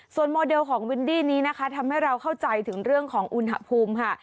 โมเดลของวินดี้นี้นะคะทำให้เราเข้าใจถึงเรื่องของอุณหภูมิค่ะ